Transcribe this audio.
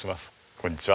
こんにちは。